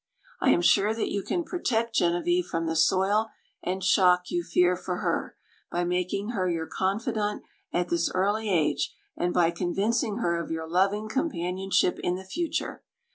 I am sure that you can protect Genevieve from the soil and shock you fear for her, by making her your confidante at this early age, and by convincing her of your loving companionship in the future.